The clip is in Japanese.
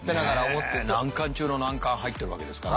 ねえ難関中の難関入ってるわけですからある意味。